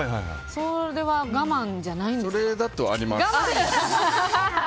それは我慢じゃないんですか？